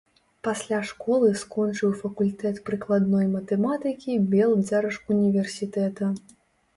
Пасля школы скончыў факультэт прыкладной матэматыкі Белдзяржуніверсітэта.